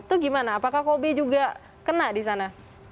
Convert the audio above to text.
itu gimana apakah hobi juga kena di sana